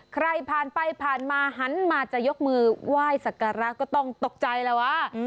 ใครผ่านไปผ่านมาหันมาจะยกมือไหว้สักการะก็ต้องตกใจแล้วว่า